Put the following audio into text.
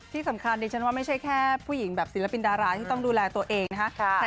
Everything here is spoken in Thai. ที่สำคัญดิฉันว่าไม่ใช่แค่ผู้หญิงแบบศิลปินดาราที่ต้องดูแลตัวเองนะคะ